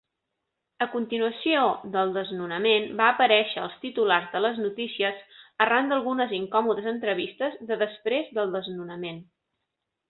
A continuació del desnonament, va aparèixer als titulars de les notícies arran d'algunes incòmodes entrevistes de després del desnonament.